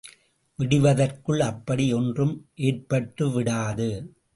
விடிவதற்குள் அப்படி ஒன்றும் ஏற்பட்டுவிடாது.